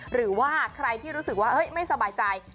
หรือว่าใครที่รู้สึกว่าไม่สบายใจ